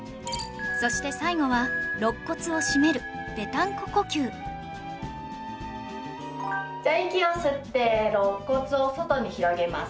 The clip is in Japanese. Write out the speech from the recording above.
そして最後は肋骨を締めるぺたんこ呼吸じゃあ息を吸って肋骨を外に広げます。